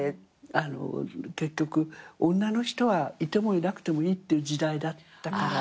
あの結局女の人はいてもいなくてもいいっていう時代だったから。